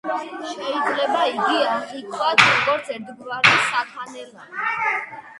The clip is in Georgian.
შეიძლება იგი აღვიქვათ როგორც ერთგვარი საქანელა.